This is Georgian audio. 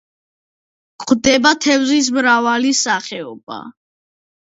გვხვდება თევზის მრავალი სახეობა.